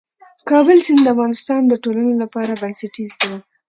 د کابل سیند د افغانستان د ټولنې لپاره بنسټيز دی.